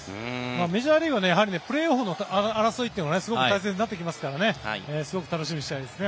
メジャーリーグはプレーオフの戦いがすごく大切になってきますからすごく楽しみにしたいですね。